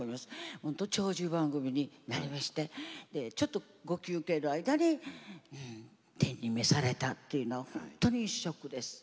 本当、長寿番組になりましてちょっとご休憩の間に天に召されたというのは本当にショックです。